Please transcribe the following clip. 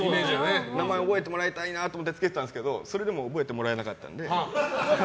名前を覚えてもらいたいなと思ってつけてたのでそれでも覚えてもらえなかったので。